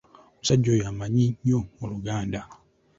Omusajja oyo amanyi nnyo Oluganda.